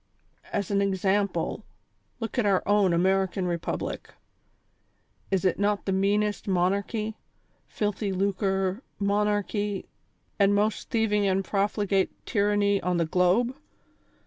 As an examjjle, look at our own American Republic ; is it not the meanest monarchy, filthy lucre monarchy and most thieving and THE CONSPIRATOES AND LOVERS. 181 profligate tyranny on the globe